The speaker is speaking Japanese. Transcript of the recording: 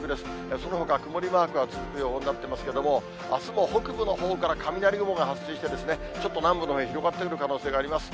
そのほかは曇りマークが続く予報になってますけれども、あすも北部のほうから雷雲が発生してですね、ちょっと南部のほうに広がっていくという可能性があります。